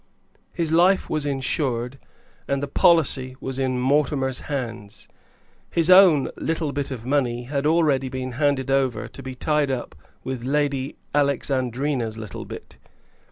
His life was insured, and the policy was in Mortimer's hands. His own little bit of money had been already handed over to be tied up with Lady Alexandrina's little bit.